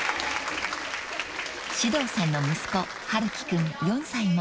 ［獅童さんの息子陽喜君４歳も］